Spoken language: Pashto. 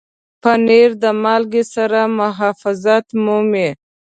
پنېر د مالګې سره محافظت مومي.